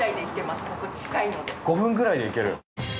５分くらいで行ける。